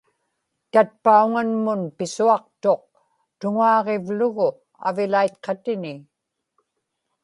tatpauŋanmun pisuaqtuq tuŋaaġivlugu avilaitqatini